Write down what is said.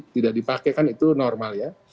tidak dipakai kan itu normal ya